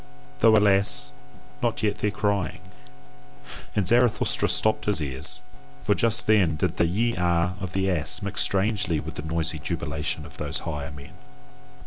Though, alas! not yet their crying." And Zarathustra stopped his ears, for just then did the YE A of the ass mix strangely with the noisy jubilation of those higher men.